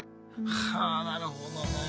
はあなるほどな。